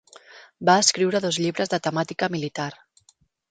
Va escriure dos llibres de temàtica militar.